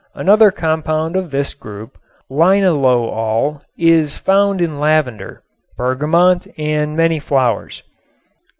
Another compound of this group, linalool, is found in lavender, bergamot and many flowers.